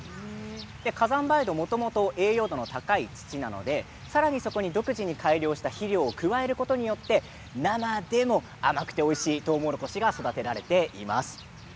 火山灰土はもともと栄養度が高い土なので独自に改良をした肥料を加えることによって生でも甘くておいしいとうもろこしが育てられています。